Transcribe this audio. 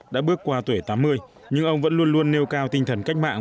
đã bước qua tuổi tám mươi nhưng ông vẫn luôn luôn nêu cao tinh thần cách mạng